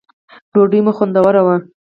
ډوډی مو خوندوره وه